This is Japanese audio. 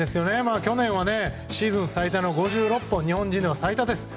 去年はシーズン最多の５６本、日本人では最多です。